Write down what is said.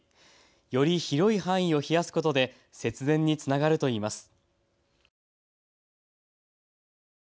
より広い範囲を冷やすことで節電につながるといいます。